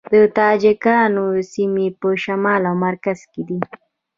د تاجکانو سیمې په شمال او مرکز کې دي